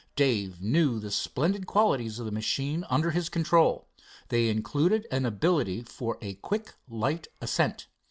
Dave knew the splendid qualities of the machine under his control. They included an ability for a quick light ascent.